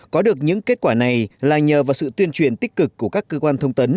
có được những kết quả này là nhờ vào sự tuyên truyền tích cực của các cơ quan thông tấn